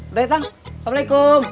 udah ya tang assalamualaikum